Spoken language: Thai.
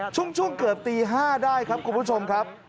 ช่วงเกือบตี๕ได้ครับคุณผู้ชมครับ